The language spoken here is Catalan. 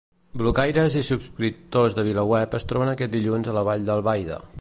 Blocaires i subscriptors de VilaWeb es troben aquest dilluns a la Vall d'Albaida.